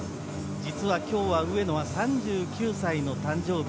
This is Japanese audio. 実は今日は上野は３９歳の誕生日。